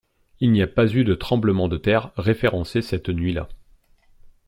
Il n’y a pas eu de tremblement de terre référencé cette nuit-là.